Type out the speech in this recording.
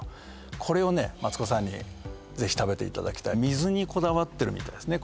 これをねマツコさんにぜひ食べていただきたい水にこだわってるみたいですね